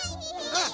うん！